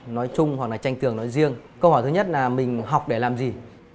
nói chung hoặc là tranh tường nói riêng câu hỏi thứ nhất là mình học để làm gì